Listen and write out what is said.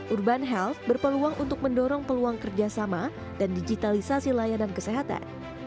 urban health berpeluang untuk mendorong peluang kerjasama dan digitalisasi layanan kesehatan